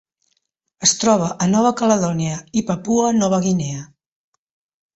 Es troba a Nova Caledònia i Papua Nova Guinea.